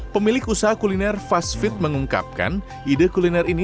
pemilik usaha kuliner fastfith mengungkapkan ide kuliner ini